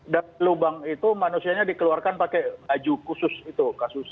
lubang itu manusianya dikeluarkan pakai baju khusus itu